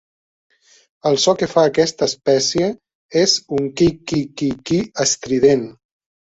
El so que fa aquesta espècie és un "ki-ki-ki-ki" estrident.